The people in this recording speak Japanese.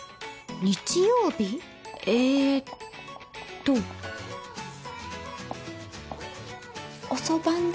日曜日？えーっと遅番だ。